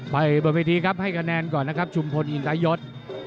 บนเวทีครับให้คะแนนก่อนนะครับชุมพลอินทยศ